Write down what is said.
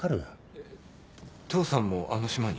えっ父さんもあの島に？